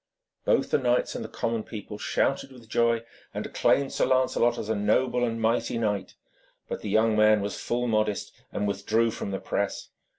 Both the knights and the common people shouted with joy, and acclaimed Sir Lancelot as a noble and mighty knight. But the young man was full modest, and withdrew from the press.